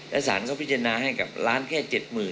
แล้วศาลเขาพิจารณาให้กับล้านแค่๗๐๐๐๐